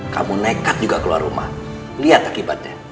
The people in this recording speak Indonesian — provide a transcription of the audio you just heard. kamu nekat juga keluar rumah lihat akibatnya